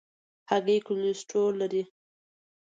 هګۍ کولیسټرول لري.